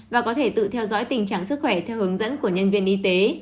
và có thể tự theo dõi tình trạng sức khỏe theo hướng dẫn của nhân viên y tế